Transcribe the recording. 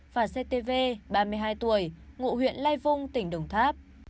và xe tv ba mươi hai tuổi ngụ huyện lai vung tỉnh đồng tháp